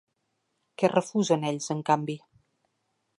Què refusen ells, en canvi?